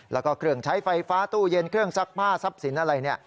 แล้วก็เครื่องใช้ไฟฟ้าตู้เย็นเครื่องซักผ้าทรัพย์สินอะไร